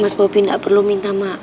mas bubi gak perlu minta maaf ya tini